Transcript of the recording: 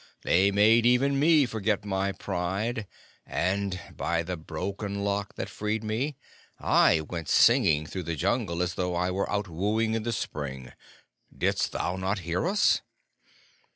They made even me forget my pride, and, by the Broken Lock that freed me, I went singing through the Jungle as though I were out wooing in the spring! Didst thou not hear us?"